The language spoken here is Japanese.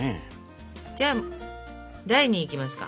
じゃあ台に行きますか。